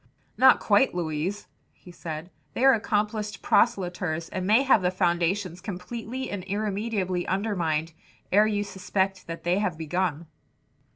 "Not quite, Louise," he said, "they are accomplished proselyters and may have the foundations completely and irremediably undermined ere you suspect that they have begun."